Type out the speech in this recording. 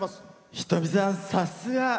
仁美さん、さすが！